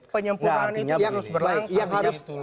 penyempurnaan itu harus berlangsung